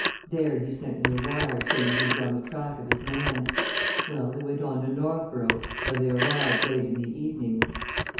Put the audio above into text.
There he sent me a wire, saying he was on the track of his man. Well, they went on to Northborough, where they arrived late in the evening.